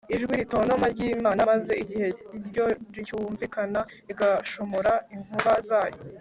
ijwi ritontoma ry'imana, maze igihe iryo ricyumvikana, igashumura inkuba zayo